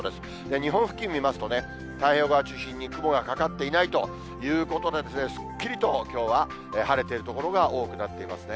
日本付近見ますとね、太平洋側中心に雲がかかっていないということで、すっきりときょうは晴れている所が多くなっていますね。